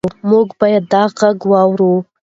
موږ باید دا غږ واورو.